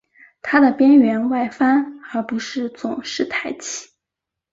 它的边缘外翻而不是总是抬起。